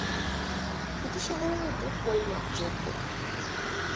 এটি সাধারণত পরিমাপযোগ্য।